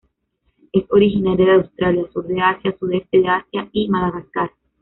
Es originaria de Australia, sur de Asia, sudeste de Asia y Madagascar.